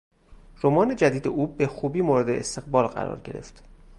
رمان جدید او به خوبی مورد استقبال قرار گرفت.